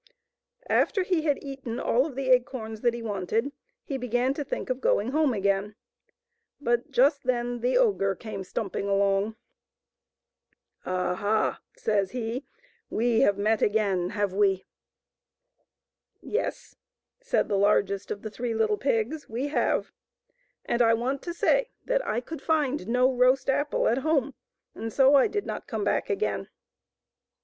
After he had eaten all of the acorns that he wanted he began to think of going home again, but just then the ogre came stumping along. " Aha !" says he, we have met again, have we ?"Yes," said the largest of the three little pigs, " we have. And I want tiri^ l^gres^l^utD^t^epe^ and cmint^fiftp to say that I could find no roast apple at home, and so I did not come back again."